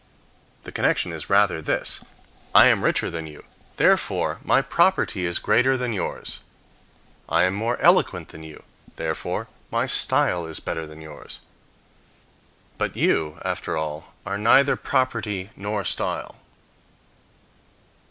The connection is rather this: "I am richer than you, therefore my property is greater than yours;" "I am more eloquent than you, therefore my style is better than yours." But you, after all, are neither property nor style.